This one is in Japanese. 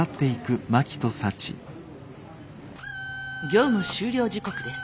業務終了時刻です。